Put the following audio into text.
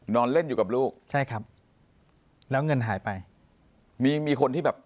นอนเล่นอยู่กับลูกใช่ครับแล้วเงินหายไปมีมีคนที่แบบ